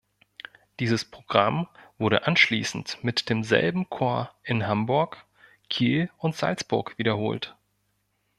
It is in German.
Dieses Programm wurde anschließend mit demselben Chor in Hamburg, Kiel und Salzburg wiederholt.